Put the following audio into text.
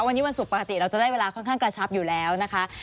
วันนี้วันศุกร์ปกติเราจะได้เวลาค่อนข้างกระชับอยู่แล้วนะคะ